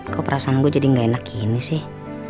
kok perasaan gue jadi gak enak ini sih